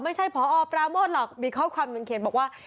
ไม่ใช่พอปราโมทหรอกมีข้อความหนึ่งเขียนบอกว่า